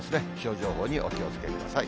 気象情報にお気をつけください。